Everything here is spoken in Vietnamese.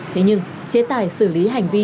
thế nhưng chế tài xử lý hành vi